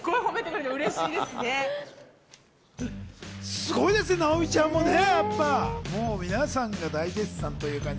すごいですね、直美ちゃんもね。皆さんが大絶賛。